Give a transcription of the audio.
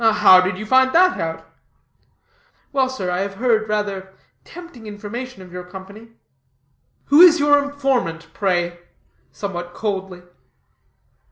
"How did you find that out?" "Well, sir, I have heard rather tempting information of your Company." "Who is your informant, pray," somewhat coldly.